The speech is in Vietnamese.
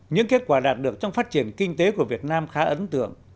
những kết quả đạt được trong phát triển kinh tế của việt nam khá ấn tượng